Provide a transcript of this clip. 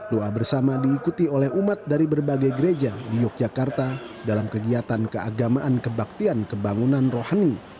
doa bersama diikuti oleh umat dari berbagai gereja di yogyakarta dalam kegiatan keagamaan kebaktian kebangunan rohani